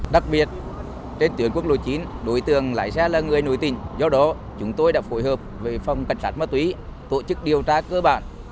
đặc biệt trên tuyến quốc lộ chín đối tượng lái xe là người nổi tình do đó chúng tôi đã phối hợp với phòng cảnh sát ma túy tổ chức điều tra cơ bản